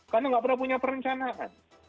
karena nggak pernah punya perencanaan